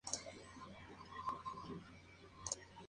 Estuvo internado en terapia intensiva por poco más de una semana.